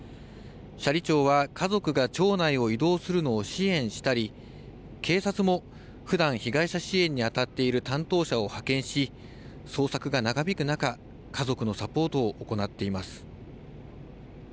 斜里町は、家族が町内を移動するのを支援したり、警察もふだん被害者支援に当たっている担当者を派遣し、捜索が長引く中、家族のサポートを行っています。